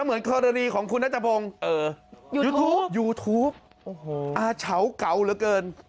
เหมือนกรณีของคุณนัทพงศ์ยูทูปยูทูปอาเฉาเก่าเหลือเกิน